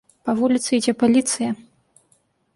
Па вуліцы ідзе паліцыя!